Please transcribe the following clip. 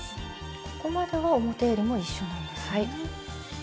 ここまでは表えりも一緒なんですね。